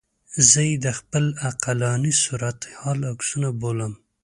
زه یې د خپل عقلاني صورتحال عکسونه بولم.